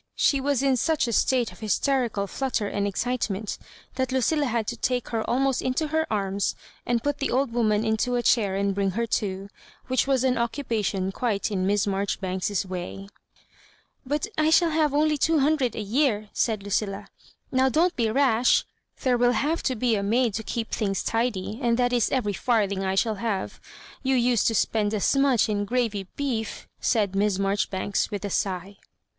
She was in such a state of hysterical flutter and excite ment that Lucilla had to take her almost into her arms and put the old woman into a chair and bring her to, which was an occupation quite in Miss Marjoribanks's way. " But I shall only have two hundred a year,*' said Lucilla. VNow don't be rash; there will have to be a maid to keep things tidy, and that is every farthing I shall have. You used to spend as much in gravy bee^'* said Miss Marjoribanks with a sigh.